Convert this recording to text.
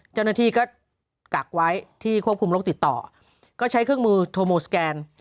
เจ้าหน้าที่ก็กักไว้ที่ควบคุมโรคติดต่อก็ใช้เครื่องมือโทโมสแกน